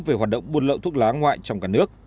về hoạt động buôn lậu thuốc lá ngoại trong cả nước